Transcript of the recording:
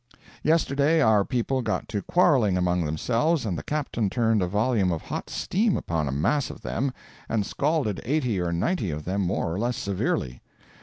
Yesterday our people got to quarrelling among themselves, and the captain turned a volume of hot steam upon a mass of them and scalded eighty or ninety of them more or less severely.